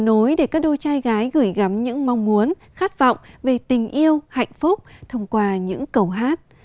câu nối để các đôi trai gái gửi gắm những mong muốn khát vọng về tình yêu hạnh phúc thông qua những câu hát